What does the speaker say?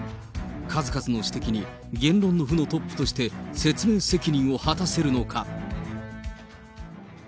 数々の指摘に言論の府のトップとして説明責任を果たせるのか。